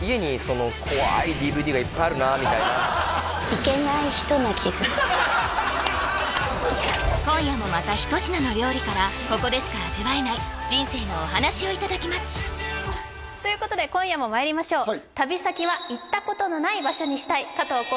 今そして俳優の今夜もまた一品の料理からここでしか味わえない人生のお話をいただきますということで今夜もまいりましょうそうですよ